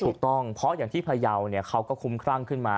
ถูกต้องเพราะอย่างที่พยาวเขาก็คุ้มครั่งขึ้นมา